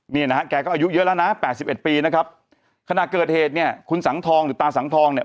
นี่นะฮะแกก็อายุเยอะแล้วนะแปดสิบเอ็ดปีนะครับขณะเกิดเหตุเนี่ยคุณสังทองหรือตาสังทองเนี่ย